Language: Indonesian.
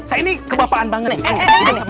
saya ini kebapaan banget